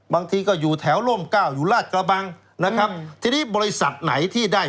บางทีก็อยู่แถวร่มเก้าอยู่ราชกระบังนะครับทีนี้บริษัทไหนที่ได้